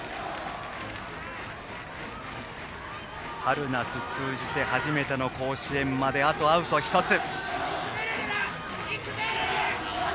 春夏通じて、初めての甲子園まであとアウト１つ。